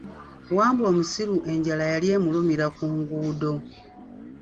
Wambwa omusiru enjala yali emulumira ku nguudo.